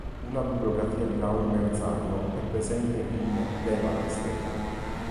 Una "Bibliografia di Raul Merzario" è presente in Levati, Stefano.